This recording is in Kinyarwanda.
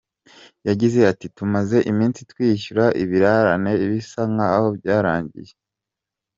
Yagize ati “Tumaze iminsi twishyura ibirarane, bisa nk’aho byarangiye.